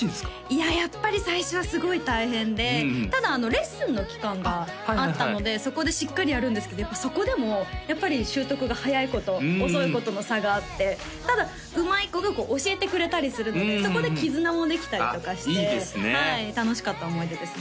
いややっぱり最初はすごい大変でただレッスンの期間があったのでそこでしっかりやるんですけどやっぱそこでもやっぱり習得が早い子と遅い子との差があってただうまい子が教えてくれたりするのでそこで絆もできたりとかしてはい楽しかった思い出ですね